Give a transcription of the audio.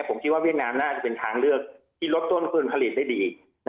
ผมคิดว่าเวียดนามน่าจะเป็นทางเลือกที่ลดต้นทุนผลิตได้ดี